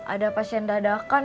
ada pasien dadakan